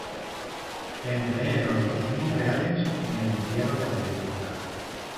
Empleé los dos mil reales en el entierro de la difunta.